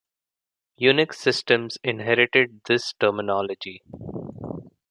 Unix systems inherited this terminology.